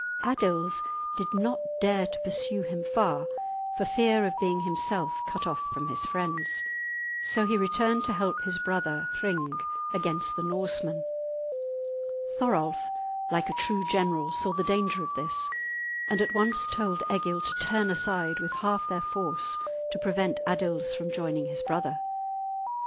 Adils did not dare to pursue him far, for fear of being himself cut off from his friends. So he returned to help his brother Hring against the Norsemen. Thorolf, like a true general, saw the danger of this, and at once told Egil to turn aside with half their force to prevent Adils from joining his brother.